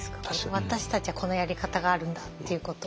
私たちはこのやり方があるんだっていうことを。